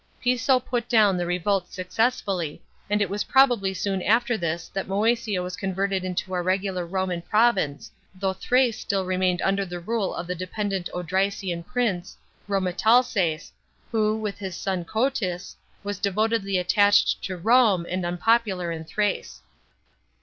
Piso put down the revolt successfully, and it was probably soon after this that Moesia was converted into a regular Roman province, though Thrace still remained under the rule of the dependent Odrysian prince Rhceme talces, who, with his son Gotys, was devotedly attached to Rome and unpopular in Thrace.